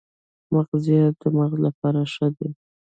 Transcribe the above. مغزيات د مغز لپاره ښه دي